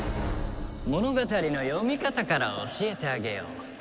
物語の読み方から教えてあげよう。